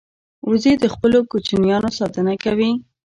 وزې د خپلو کوچنیانو ساتنه کوي